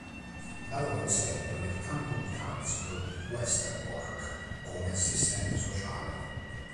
Lavorò in seguito nel campo di transito di Westerbork come assistente sociale.